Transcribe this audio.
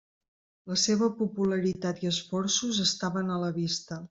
La seva popularitat i esforços estaven a la vista.